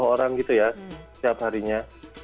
tujuh puluh delapan puluh orang gitu ya setiap harinya